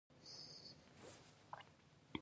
لوبیې څنګه نرمیږي؟